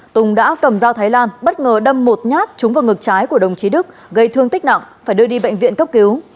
tùng đã cầm dao thái lan bất ngờ đâm một nhát trúng vào ngực trái của đồng chí đức gây thương tích nặng phải đưa đi bệnh viện cấp cứu